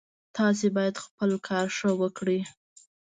تاسو باید خپل کار ښه وکړئ